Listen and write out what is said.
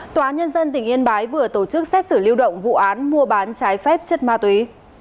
tòa nhân dân tỉnh yên bái vừa tổ chức xét xử lưu động vụ án mua bán trái phép chất ma túy